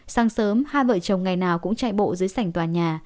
sáng sớm hai vợ chồng ngày nào cũng chạy bộ dưới sảnh tòa nhà